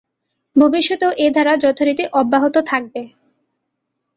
ভবিষ্যতেও এ ধারা যথারীতি অব্যাহত থাকবে।